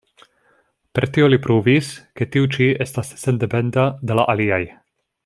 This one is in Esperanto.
Per tio li pruvis, ke tiu ĉi estas sendependa de la aliaj.